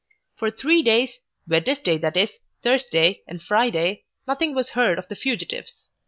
For three days, Wednesday that is, Thursday, and Friday, nothing was heard of the fugitives.